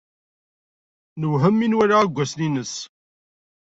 Newhem mi nwala aggasen-nnes.